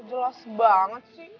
gak jelas banget sih